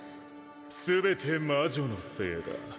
全て魔女のせいだ